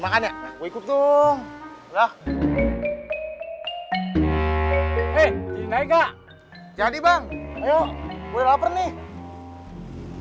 makannya ikut dong lah eh naik jadi bang ayo gue lapar nih